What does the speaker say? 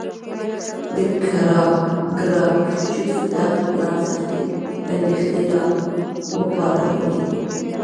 د ګراکچوس دغه پلان سختې اندېښنې را وپارولې.